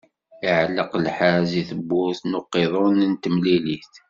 Iɛelleq lḥerz i tebburt n uqiḍun n temlilit.